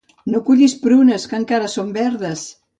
No cullis prunes, que encara són verdes!